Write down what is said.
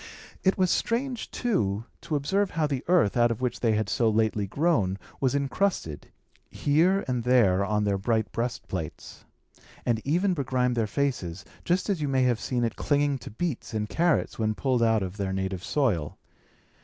It was strange, too, to observe how the earth, out of which they had so lately grown, was incrusted, here and there, on their bright breastplates, and even begrimed their faces, just as you may have seen it clinging to beets and carrots when pulled out of their native soil.